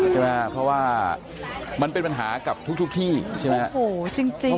ใช่ไหมครับเพราะว่ามันเป็นปัญหากับทุกทุกที่ใช่ไหมโอ้โหจริงจริง